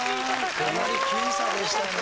かなり僅差でしたね。